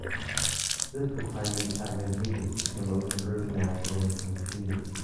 This was highly advantageous to most early nationalist leaders.